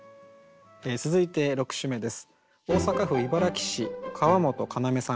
続いて６首目です。